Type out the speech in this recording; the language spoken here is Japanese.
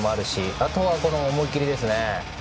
あとは思い切りですね。